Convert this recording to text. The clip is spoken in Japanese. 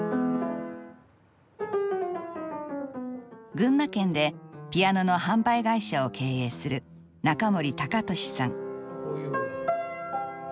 群馬県でピアノの販売会社を経営する中森隆利さん。